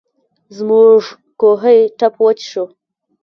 زموږ کوهۍ ټپ وچ شو.